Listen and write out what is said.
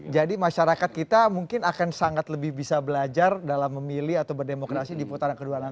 jadi masyarakat kita mungkin akan sangat lebih bisa belajar dalam memilih atau berdemokrasi di putaran kedua nanti